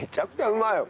うまいわ。